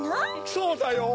そうだよ。